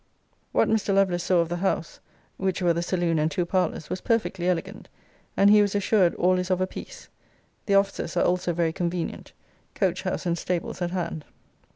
What Mr. Lovelace saw of the house (which were the saloon and two parlours) was perfectly elegant; and he was assured all is of a piece. The offices are also very convenient; coach house and stables at hand.